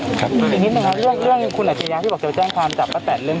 อีกนิดหนึ่งนะครับเรื่องคุณแหละที่อยากพี่บอกจะแจ้งความจับประแทน